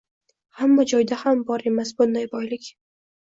– hamma joyda ham bor emas bunday boylik.